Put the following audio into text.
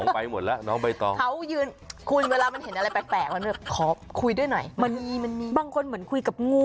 ไปหมดแล้วไปหมดแล้วจริงจริง